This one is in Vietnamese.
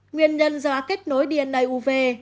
nguyên nhân do ác kết nối dna uv